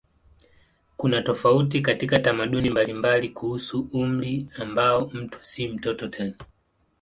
Kuna tofauti katika tamaduni mbalimbali kuhusu umri ambapo mtu si mtoto tena.